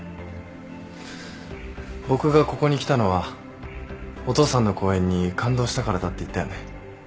僕がここに来たのはお父さんの講演に感動したからだって言ったよね？